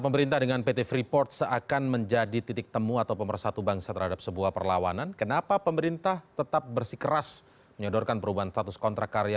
binca indra cnn indonesia